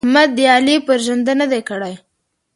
احمد د علي پر ژنده نه دي کړي.